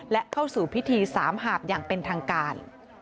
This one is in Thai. และเข้าสู่พิธีสามหาบอย่างเป็นทางการ